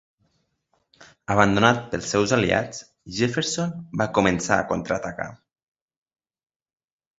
Abandonat pels seus aliats, Jefferson va començar a contraatacar.